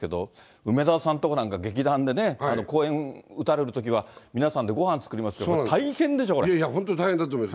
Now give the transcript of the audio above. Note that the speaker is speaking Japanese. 梅沢さんとこなんか、劇団でね、公演打たれるときは皆さんでごはん作りますよね、大変でしょ、こいやいや、本当に大変だと思います。